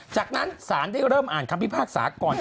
จากนั้นศาลได้เริ่มอ่านคำพิพากษาก่อน